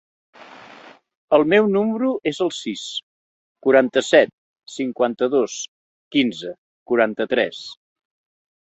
El meu número es el sis, quaranta-set, cinquanta-dos, quinze, quaranta-tres.